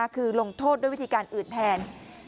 คือลงโทษด้วยวิธีการอื่นแทน